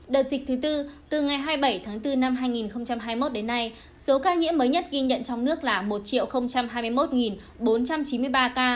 đợt dịch thứ tư từ ngày hai mươi bảy tháng bốn năm hai nghìn hai mươi một đến nay số ca nhiễm mới nhất ghi nhận trong nước là một hai mươi một bốn trăm chín mươi ba ca